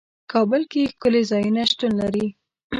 کابل کې ښکلي ځايونه شتون لري.